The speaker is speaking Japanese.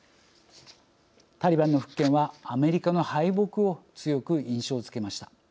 タリバンの復権はアメリカの敗北を強く印象づけました。